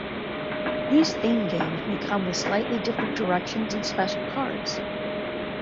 These theme games may come with slightly different directions and special cards.